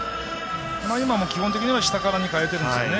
今も基本的には下からに変えてるんですよね。